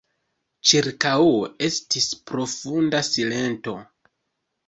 Ĉirkaŭe estis profunda silento.